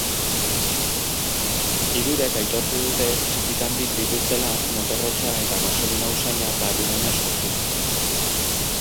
Hirurek aitortu dute txikitandik dituztela motor hotsa eta gasolina usaina barruraino sartuak.